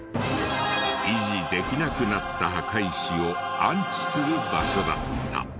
維持できなくなった墓石を安置する場所だった。